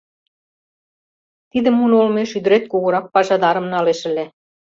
Тиде муно олмеш ӱдырет кугурак пашадарым налеш ыле.